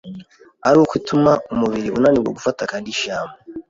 ari uko ituma umubiri unanirwa gufata ‘calcium’